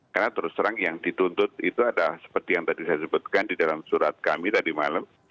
karena terus terang yang dituntut itu ada seperti yang tadi saya sebutkan di dalam surat kami tadi malam